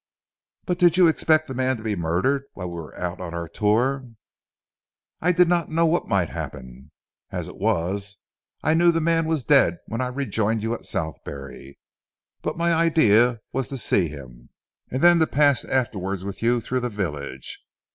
"But did you expect the man to be murdered while we were on our tour?" "I did not know what might happen. As it was I knew the man was dead when I rejoined you at Southberry. But my idea was to see him, and then to pass afterwards with you through the village.